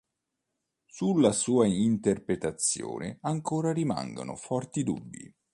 Sulla sua interpretazione ancora rimangono forti dubbi.